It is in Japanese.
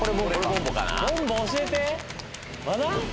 ボンボ教えてまだ？